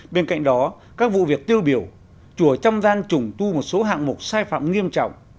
bên cạnh đó các vụ việc tiêu biểu chùa trăm gian trùng tu một số hạng mục sai phạm nghiêm trọng